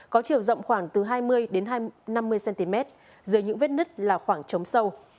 có chiều rộng khoảng từ hai mươi năm mươi cm dưới những vết nứt là khoảng trống sâu